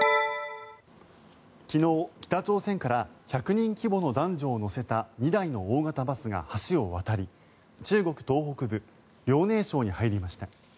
昨日、北朝鮮から１００人規模の男女を乗せた２台の大型バスが橋を渡り中国東北部遼寧省に入りました。